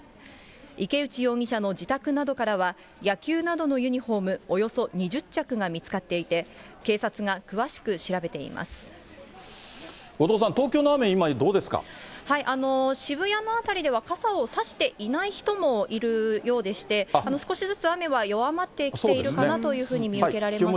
池内容疑者の自宅などからは、野球などのユニホームおよそ２０着が見つかっていて、後藤さん、東京の雨、今、渋谷の辺りでは、傘を差していない人もいるようでして、少しずつ雨は弱まってきているかなというふうに見受けられます。